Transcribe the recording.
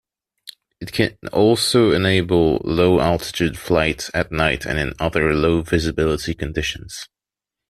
It can also enable low-altitude flight at night and in other low-visibility conditions.